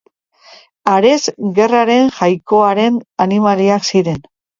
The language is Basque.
Ares gerraren jainkoaren animaliak ziren.